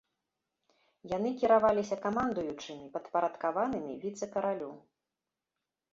Яны кіраваліся камандуючымі, падпарадкаванымі віцэ-каралю.